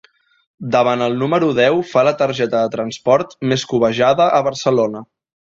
Davant el número deu fa la targeta de transport més cobejada a Barcelona.